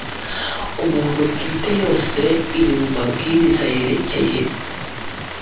umuntu bwite yose iri mu mabwiriza yerekeye